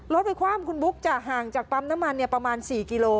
รถไปคว่ำคุณบุ๊คจะห่างจากปั๊มน้ำมันประมาณ๔กิโล